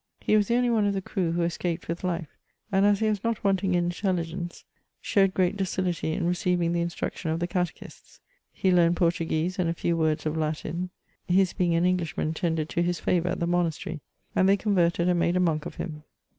He was the only one of the crew who escaped with life, and as he was not wanting in intelligence, showed great docility in receiving the instruction of the cate chi&ts ; he learned Portuguese and a few words of Latin ; his CHATEAUBKIAND. 245 being an Englishman tended to his favour at the monastery, and they converted and made a monk of iiim.